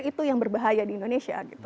itu yang berbahaya di indonesia